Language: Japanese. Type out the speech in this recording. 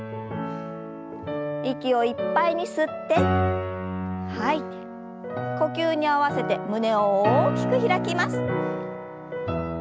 息をいっぱいに吸って吐いて呼吸に合わせて胸を大きく開きます。